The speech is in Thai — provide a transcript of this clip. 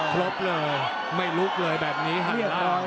ครบเลยไม่ลุกเลยแบบนี้หันล่าง